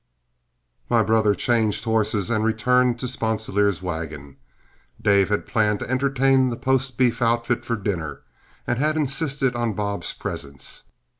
My brother changed horses and returned to Sponsilier's wagon. Dave had planned to entertain the post beef outfit for dinner, and had insisted on Bob's presence.